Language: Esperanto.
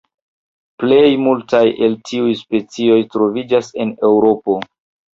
Plej multaj el tiuj specioj troviĝas en Eŭropo.